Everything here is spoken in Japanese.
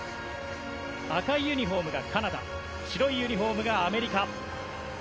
赤いユニホームがカナダ白いユニホームがアメリカ。